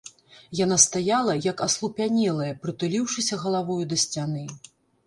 Яна стаяла, як аслупянелая, прытуліўшыся галавою да сцяны.